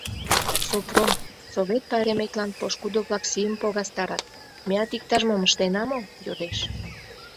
— Сопром, совет пайреметлан пошкудо-влак сийым погастарат, меат иктаж-мом ыштена мо? — йодеш.